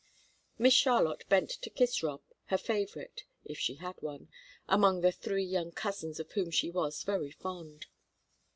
Miss Charlotte bent to kiss Rob, her favorite if she had one among the three young cousins of whom she was very fond.